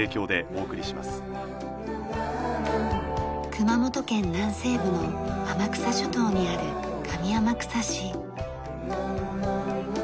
熊本県南西部の天草諸島にある上天草市。